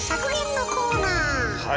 はい。